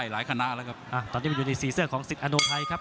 โหโหโหโหโหโหโหโหโหโหโหโหโห